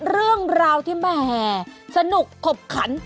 เรื่องราวที่แหมสนุกขบขัน